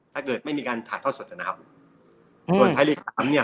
ถ้าเกิดไม่มีการถ่ายทอดสดนะครับส่วนไทยลีกสามเนี่ย